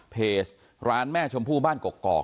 เพจร้านแม่ชมพู่บ้านกกอก